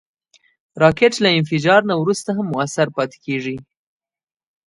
راکټ له انفجار نه وروسته هم مؤثر پاتې کېږي